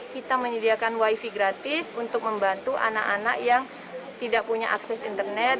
kita menyediakan wifi gratis untuk membantu anak anak yang tidak punya akses internet